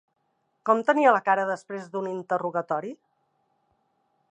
Com tenia la cara després d'un interrogatori?